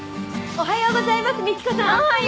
おはようございます。